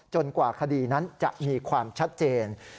กว่าคดีนั้นจะมีความชัดเจน